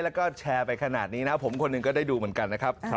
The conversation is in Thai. แล้วก็แชร์ไปขนาดนี้นะผมคนหนึ่งก็ได้ดูเหมือนกันนะครับ